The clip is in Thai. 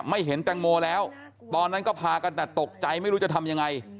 เห็นแตงโมแล้วตอนนั้นก็พากันแต่ตกใจไม่รู้จะทำยังไง